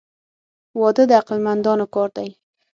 • واده د عقل مندانو کار دی.